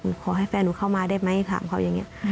ขอให้แฟนหนูเข้ามาได้ไหมถามเขาอย่างนี้